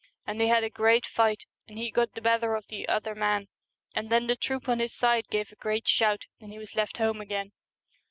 And they had a great fight, and he got the better of the other man, and then the troop on his side gave a great shout, and he was left home again.